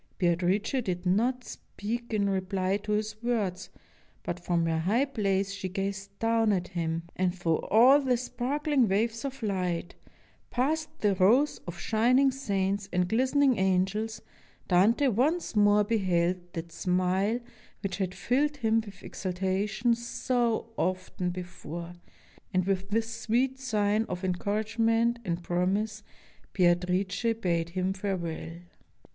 Bea trice did not speak in reply to his words, but from her high place she gazed down at him, and through all the 31 ITALY sparkling waves of light, past the rows of shining saints and glistening angels, Dante once more beheld that smile which had filled him with exaltation so often be fore, and with this sweet sign of encouragement and promise, Beatrice bade him farewell.